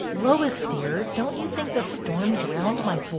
Lois, dear, don't you think the storm drowned my voice